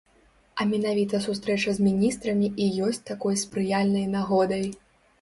А менавіта сустрэча з міністрамі і ёсць такой спрыяльнай нагодай.